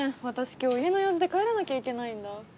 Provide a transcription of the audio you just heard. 私今日家の用事で帰らなきゃいけないんだ。